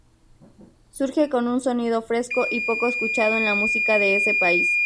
Surge con un sonido fresco y poco escuchado en la música de ese país.